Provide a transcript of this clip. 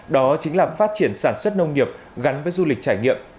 đó chính là phát triển sản xuất nông nghiệp gắn với du lịch trải nghiệm